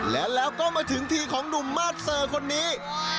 และแล้วก็มาถึงทีของหนุ่มมาสเซอร์คนนี้